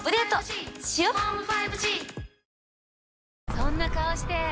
そんな顔して！